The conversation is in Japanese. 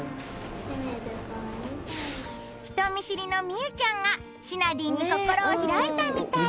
人見知りのみうちゃんがしなディーに心を開いたみたい。